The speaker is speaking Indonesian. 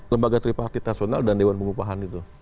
lembaga tripartit nasional dan dewan pengupahan itu